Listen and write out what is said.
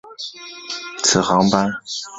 此航班为测试新机场的运作的测试航班。